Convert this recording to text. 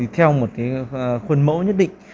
theo một khuôn mẫu nhất định